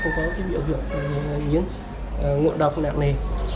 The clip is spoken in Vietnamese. không có cái biểu hiệu yến ngộ độc nào nề